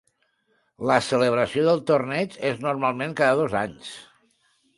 La celebració del torneig és normalment cada dos anys.